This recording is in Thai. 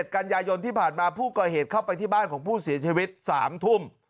กันยายนที่ผ่านมาผู้ก่อเหตุเข้าไปที่บ้านของผู้เสียชีวิต๓ทุ่ม